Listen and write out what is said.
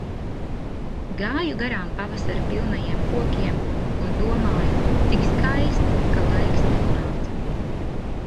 Gāju garām pavasara pilnajiem kokiem un domāju, cik skaisti, ka laiks atnāca.